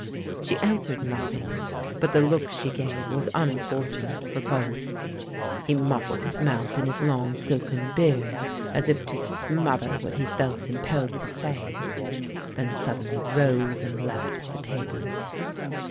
She answered nothing, but the look she gave was unfortunate for both. He muffled his mouth in his long, silken beard as if to smother what he felt impelled to say, then suddenly rose and left the table.